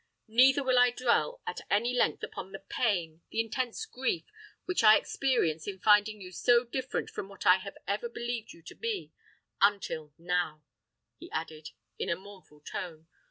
Neither will I dwell at any length upon the pain—the intense grief which I experience in finding you so different from what I have ever believed you to be—until now!" he added, in a mournful tone.